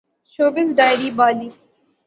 showbiz diary Bali